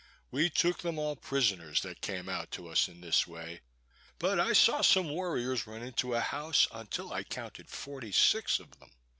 We took them all prisoners that came out to us in this way; but I saw some warriors run into a house, until I counted forty six of them.